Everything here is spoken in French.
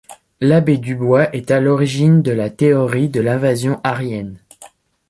L'abbé Dubois est à l'origine de la théorie de l'invasion aryenne.